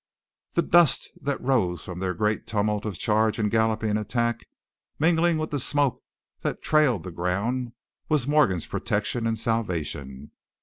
The dust that rose from their great tumult of charge and galloping attack, mingling with the smoke that trailed the ground, was Morgan's protection and salvation.